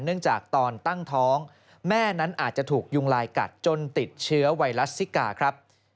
เนื่องจากตอนตั้งท้องแม่นั้นอาจจะถูกยุงลายกัดจนติดเชื้อไวรัสซิกาครับ